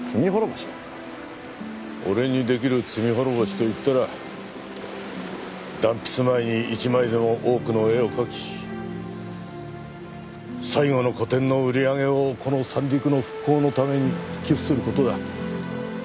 俺に出来る罪滅ぼしといったら断筆前に１枚でも多くの絵を描き最後の個展の売り上げをこの三陸の復興のために寄付する事だ。